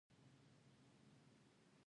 موسکۍ شوه کليوال وو.